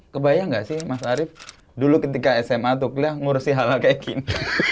kebayang gak sih mas arief dulu ketika sma tuh kuliah ngurusi hal hal kayak gini